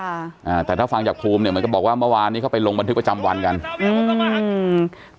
อ่าแต่ถ้าฟังจากภูมิเนี้ยเหมือนกับบอกว่าเมื่อวานนี้เขาไปลงบันทึกประจำวันกันอืมเมื่อวานอืม